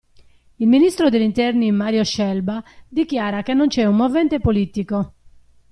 Il ministro degli interni Mario Scelba dichiara che non c'è un "movente politico".